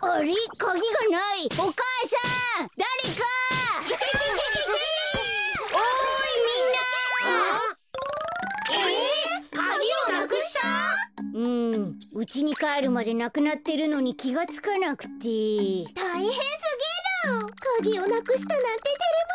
カギをなくしたなんててれますねえ。